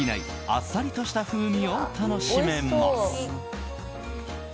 あっさりとした風味を楽しめます。